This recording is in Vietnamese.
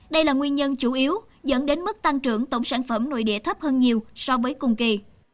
đây là nguyên nhân chủ yếu dẫn đến mức tăng trưởng tổng sản phẩm nội địa thấp hơn nhiều so với cùng kỳ